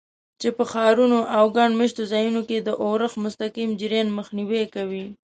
چې په ښارونو او ګڼ مېشتو ځایونو کې د اورښت مستقیم جریان مخنیوی کوي.